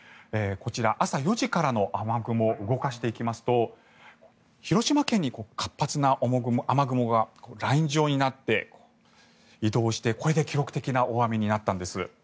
こちら、朝４時からの雨雲動かしていきますと広島県に活発な雨雲がライン状になって移動して、これで記録的な大雨になったんです。